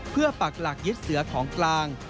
เพื่อปักหลักยึดเสือของกลาง